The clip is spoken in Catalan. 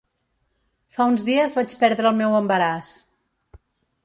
Fa uns dies vaig perdre el meu embaràs.